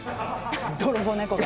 泥棒猫が！